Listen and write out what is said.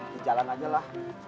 di jalan aja lah